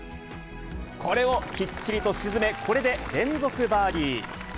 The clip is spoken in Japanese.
これをきっちりと沈め、これで連続バーディー。